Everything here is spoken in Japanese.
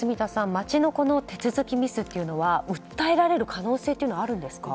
町の手続きミスというのは訴えられる可能性はあるんですか？